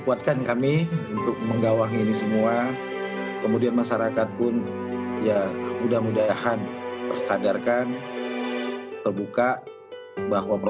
karena kita memang gitu jadi mungkin kita di tempat praktek kita udah apa namanya lengkap dengan apd